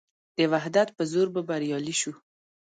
د وحدت په زور به بریالي شو.